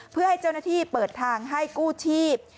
เพื่อให้เจ้าหน้าที่เปิดทางให้กู้ชีพ